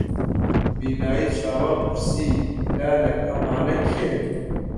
بینایی چاوان پرسی: لالە ئەمانە کێن؟